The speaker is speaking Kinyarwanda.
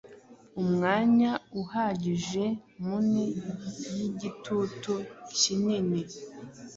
Umwanya uhagije muni yigitutu kinini